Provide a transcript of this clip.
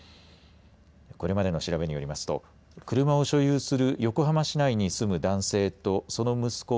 これまでの調べによりますと車を所有する横浜市内に住む男性とその息子